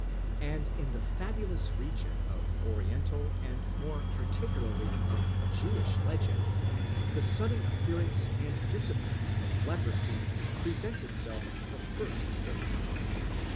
And in the fabulous region of Oriental and more particularly of Jewish legend, the sudden appearance and disappearance of leprosy presents itself the first thing.